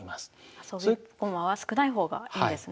あそび駒は少ない方がいいんですね。